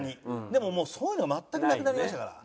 でももうそういうの全くなくなりましたから。